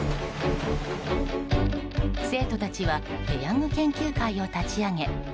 生徒たちはペヤング研究会を立ち上げ